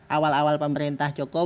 awal awal pemerintah joko